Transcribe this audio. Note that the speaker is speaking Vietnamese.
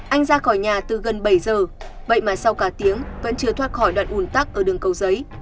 anh ra khỏi nhà từ gần bảy giờ vậy mà sau cả tiếng vẫn chưa thoát khỏi đoạn ủn tắc ở đường cầu giấy